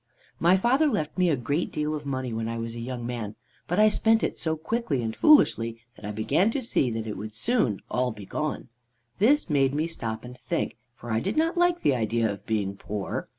"My father left me a great deal of money when I was a young man, but I spent it so quickly and foolishly that I began to see it would soon all be gone. This made me stop and think, for I did not like the idea of being poor.